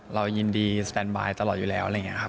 เรายินดีสแตนบายตลอดอยู่แล้วอะไรอย่างนี้ครับ